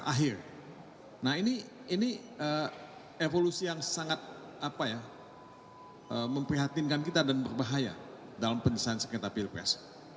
nah ini evolusi yang sangat memprihatinkan kita dan berbahaya dalam penyelesaian sengketa pilpres